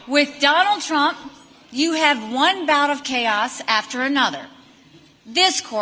dengan donald trump anda memiliki satu pembentukan kekosongan setelah lainnya